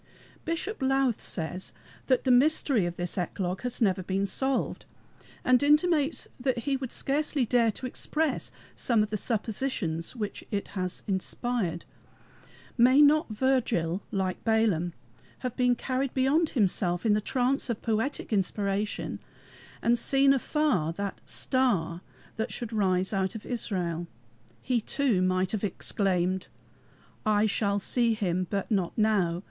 Bishop Lowth says that the mystery of this eclogue has never been solved, and intimates that he would scarcely dare to express some of the suppositions which it has inspired. May not Virgil, like Balaam, have been carried beyond himself in the trance of poetic inspiration, and seen afar the "Star" that should arise out of Israel? He too might have exclaimed: "I shall see him, but not now.